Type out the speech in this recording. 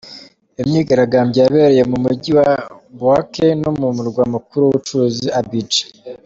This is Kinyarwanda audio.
Iyo myigaragambyo yabereye mu mujyi wa Bouake no mu murwa mukuru w’ ubucuruzi Abidjan.